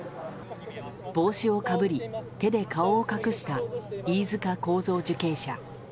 帽子をかぶり、手で顔を隠した飯塚幸三受刑者。